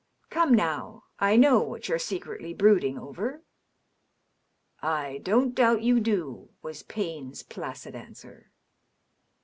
Come, now, I know what you're secretly brooding over." " I don't doubt you do/' was Payne's placid answer.